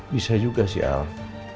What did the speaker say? bisa juga sih alf